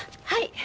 はい。